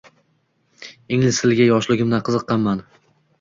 Ingliz tiliga yoshligimdan qiziqqanman.